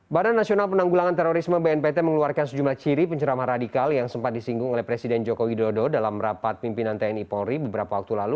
badan nasional penanggulangan terorisme bnpt mengeluarkan sejumlah ciri pencerama radikal yang sempat disinggung oleh presiden joko widodo dalam rapat pimpinan tni polri beberapa waktu lalu